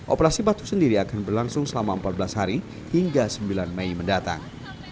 operasi batu sendiri akan berlangsung selama empat belas hari hingga sembilan mei mendatang